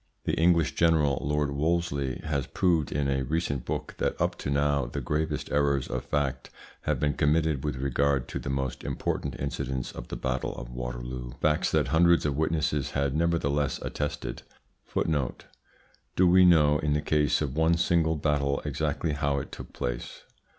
The English general, Lord Wolseley, has proved in a recent book that up to now the gravest errors of fact have been committed with regard to the most important incidents of the battle of Waterloo facts that hundreds of witnesses had nevertheless attested. Do we know in the case of one single battle exactly how it took place?